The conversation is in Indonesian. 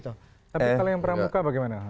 tapi kalau yang pramuka bagaimana